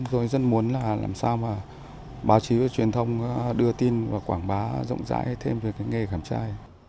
rồi dân muốn là làm sao mà báo chí và truyền thông đưa tin và quảng bá rộng rãi thêm về cái nghề khảm trai